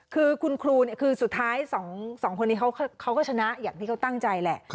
คือคุณครูคือสุดท้าย๒คนนี้เขาก็ชนะอย่างที่เขาตั้งใจแหละ